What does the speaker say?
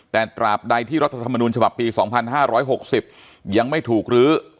แต่ตราบใดที่รัฐธรรมนูญฉบับปี๒๕๖๐ยังไม่ถูกลื้อ